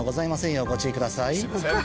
ようご注意ください